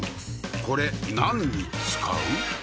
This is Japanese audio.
これ何に使う？